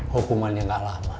hukumannya gak lama